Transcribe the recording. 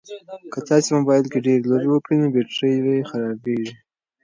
که تاسي په موبایل کې ډېرې لوبې وکړئ نو بېټرۍ یې خرابیږي.